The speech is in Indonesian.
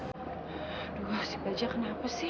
aduh si bajah kenapa sih